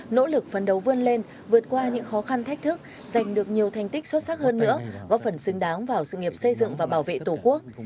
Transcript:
nỗ lực phấn đấu vươn lên vượt qua những khó khăn thách thức giành được nhiều thành tích xuất sắc hơn nữa góp phần xứng đáng vào sự nghiệp xây dựng và bảo vệ tổ quốc